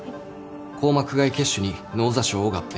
硬膜外血腫に脳挫傷を合併。